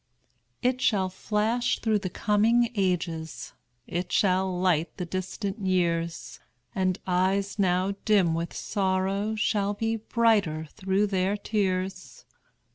It shall flash through coming ages, It shall light the distant years; And eyes now dim with sorrow Shall be brighter through their tears.